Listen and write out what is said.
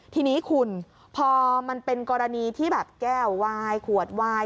ทีนี้คุณพอมันเป็นกรณีที่แบบแก้ววายขวดวาย